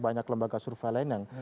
banyak lembaga survei lain yang